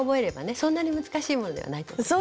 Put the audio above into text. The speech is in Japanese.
そんなに難しいものではないと思います。